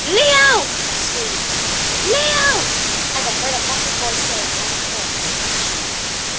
"Leo!" I screamed, "Leo!" and I heard a muffled voice saying, as I thought, "Come."